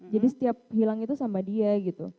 jadi setiap hilang itu sama dia gitu